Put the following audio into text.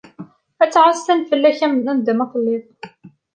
Ad ttɛassan fell-ak anda ma teddiḍ.